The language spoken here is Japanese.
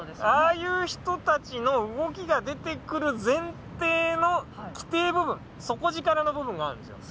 ああいう人たちの動きが出てくる前提の基底部分底力の部分があるんですよ。